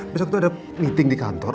besok itu ada meeting di kantor